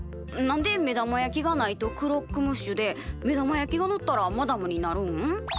何で目玉焼きがないとクロックムッシュで目玉焼きがのったらマダムになるん？